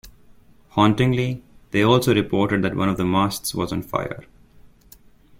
Hauntingly, they also reported that one of the masts was on fire.